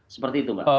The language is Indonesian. seperti itu mbak